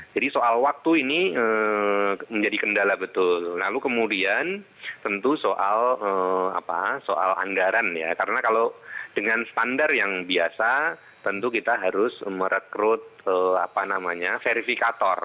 jadi soal waktu ini menjadi kendala betul lalu kemudian tentu soal apa soal anggaran ya karena kalau dengan standar yang biasa tentu kita harus merekrut apa namanya verifikator